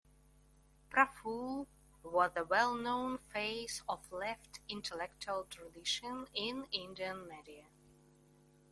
Praful was a well known face of left intellectual tradition in Indian media.